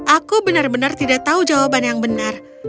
aku benar benar tidak tahu jawaban yang benar